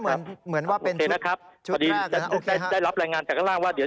ก็เหมือนว่าเป็นชุดแรกนะครับพอดีได้รับรายงานจากข้างล่างว่า